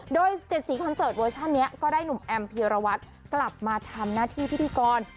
โดย๗๔คอนเสิร์ตเวอร์ชันนี้ก็ได้หนุ่มแอมพีรวัตรกลับมาทำหน้าที่พิธีกร